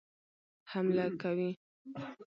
حمله کوي.